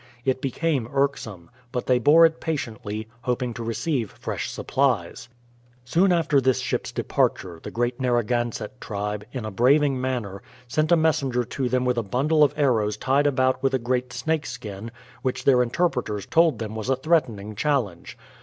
It became irksome, but they bore it patiently, hoping to receive fresh supplies. Soon after this ship's departure, the great Narragansett tribe, in a braving manner, sent a messenger to them with a bundle of arrows tied about with a great snake skin, which their interpreters told them was a threatening challenge.